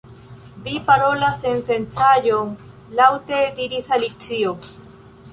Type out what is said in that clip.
"Vi parolas sensencaĵon," laŭte diris Alicio.